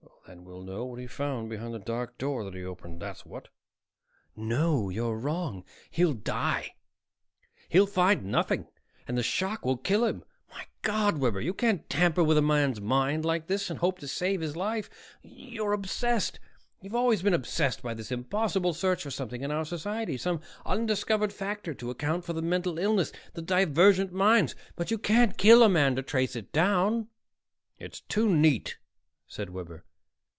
"Then we'll know what he found behind the dark door that he opened, that's what." "No, you're wrong! He'll die. He'll find nothing and the shock will kill him. My God, Webber, you can't tamper with a man's mind like this and hope to save his life! You're obsessed; you've always been obsessed by this impossible search for something in our society, some undiscovered factor to account for the mental illness, the divergent minds, but you can't kill a man to trace it down!" "It's too neat," said Webber.